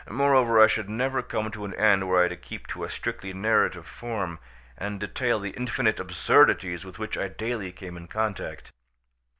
Moreover I should never come to an end were I to keep to a strictly narrative form, and detail the infinite absurdities with which I daily came in contact.